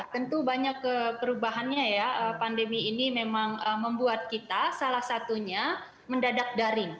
tentu banyak perubahannya ya pandemi ini memang membuat kita salah satunya mendadak daring